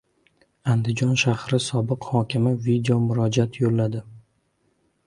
Andijon shahri sobiq hokimi videomurojaat yo‘lladi